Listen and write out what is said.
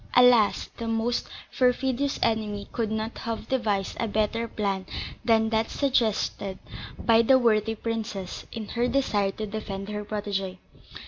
Alas! the most perfidious enemy could not have devised a better plan than that suggested by the worthy princess in her desire to defend her protégée.